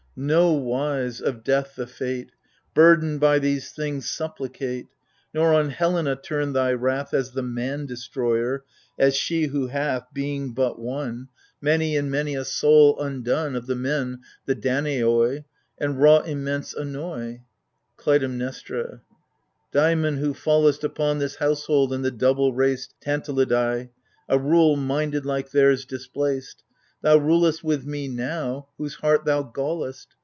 Nowise, of death the fate — Burdened by these things — supplicate ! Nor on Helena turn thy wrath As the man destroyer, as " shewho hath. Being but one, 128 AGAMEMNON. Many and many a soul undone Of the men, the Danaoi "— And wrought immense annoy ! KLUTAIMNESTRA. Daimon, who fallest Upon this household and the double raced Tantalidai, a rule, minded like theirs displaced, Thou rulest me with, now. Whose heart thou gallest